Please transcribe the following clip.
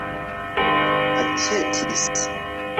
aĉetis